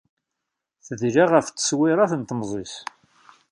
Tedla ɣef tteswiṛat n temẓi-s.